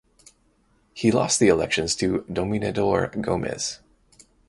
He lost the elections to Dominador Gomez.